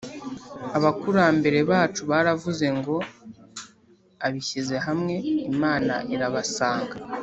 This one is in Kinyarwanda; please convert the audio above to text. abakurambere bacu baravuze ngo “abishyize hamwe, imana irabasanga”